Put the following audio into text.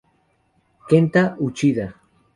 Kenta Uchida